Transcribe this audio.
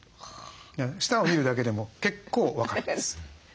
舌を診るだけでも結構分かるんです。